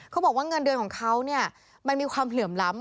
เขาบอกว่าเงินเดือนของเขาเนี่ยมันมีความเหลื่อมล้ำ